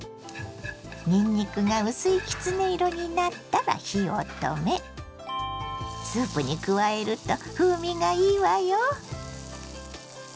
にんにくが薄いきつね色になったら火を止めスープに加えると風味がいいわよ。